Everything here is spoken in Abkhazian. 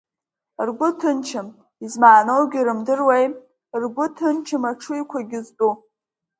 Ргәы ҭынчым, измааноугьы рымдыруеи, ргәы ҭынчым аҽыҩқәагьы зтәу.